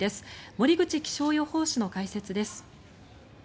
森口気象予報士の解説です。